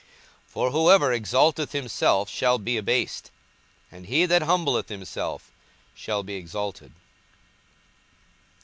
42:014:011 For whosoever exalteth himself shall be abased; and he that humbleth himself shall be exalted.